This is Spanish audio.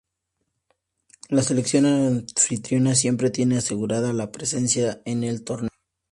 La selección anfitriona siempre tiene asegurada la presencia en el torneo.